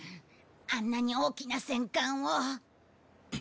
あんなに大きな戦艦を。